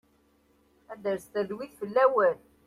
Ad d-tres talwit fell-awen.